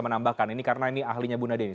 menambahkan ini karena ini ahlinya bu nadia